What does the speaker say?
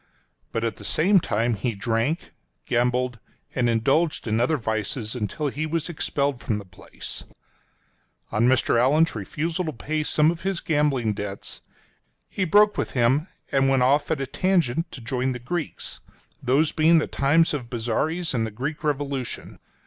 But at the same time he drank, gambled, and indulged in other vices until he was expelled from the place. On Mr. Allan's refusal to pay some of his gambling debts, he broke with him and went off at a tangent to join the Greeks — those being the times of Bozzaris and the Greek Revolution.